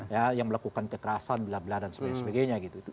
ya yang melakukan kekerasan dan sebagainya